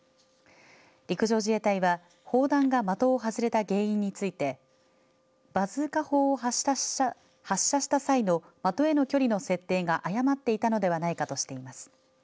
陸上自衛隊は砲弾が的を外れた原因についてバズーカ砲を発射した際の的への距離の設定が誤っていたのではないかとしています。